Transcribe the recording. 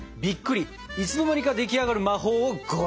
いつの間にか出来上がる魔法をご覧にいれましょう。